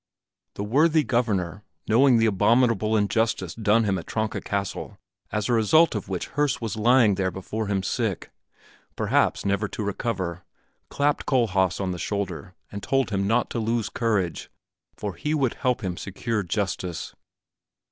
The worthy Governor, knowing the abominable injustice done him at Tronka Castle as a result of which Herse was lying there before him sick, perhaps never to recover, clapped Kohlhaas on the shoulder and told him not to lose courage, for he would help him secure justice.